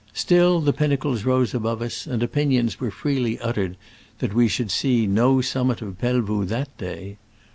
Still the pin nacles rose above us, and opinions were freely uttered that we should see no summit of Pelvoux that day.